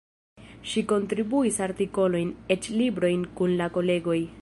Ŝi kontribuis artikolojn, eĉ librojn kun la kolegoj.